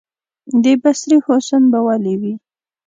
د بصرې حسن به ولي وي،